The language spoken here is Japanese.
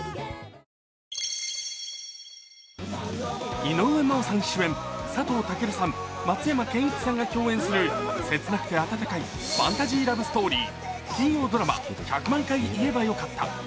井上真央さん主演、佐藤健さん、松山ケンイチさんが共演する切なくて温かいファンタジーラブストーリー金曜ドラマ「１００万回言えばよかった」